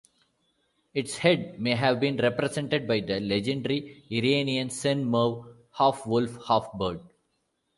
Its head may have been represented by the legendary Iranian senmurv - half-wolf, half-bird.